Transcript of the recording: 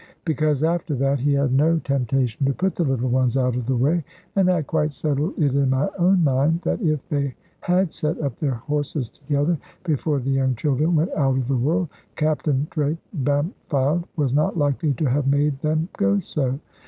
Because, after that, he had no temptation to put the little ones out of the way; and I quite settled it in my own mind, that if they had set up their horses together, before the young children went out of the world, Captain Drake Bampfylde was not likely to have made them go so.